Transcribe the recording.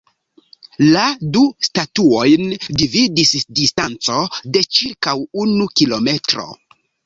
La du statuojn dividis distanco de ĉirkaŭ unu kilometro.